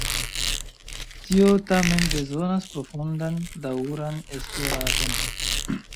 Tio tamen bezonas profundan, daŭran esploradon.